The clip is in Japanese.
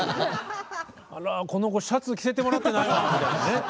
「あらこの子シャツ着せてもらってないわ」みたいなね。